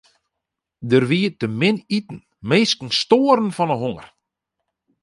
Der wie te min te iten, minsken stoaren fan 'e honger.